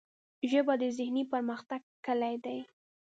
ژبه د ذهني پرمختګ کلۍ ده